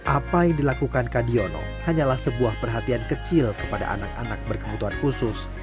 apa yang dilakukan kadiono hanyalah sebuah perhatian kecil kepada anak anak berkebutuhan khusus